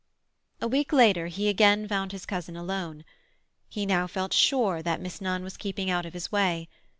A week later he again found his cousin alone. He now felt sure that Miss Nunn was keeping out of his way.